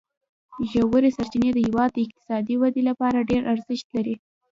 ژورې سرچینې د هېواد د اقتصادي ودې لپاره ډېر زیات ارزښت لري.